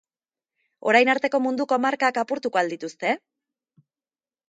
Orain arteko munduko markak apurtuko al dituzte?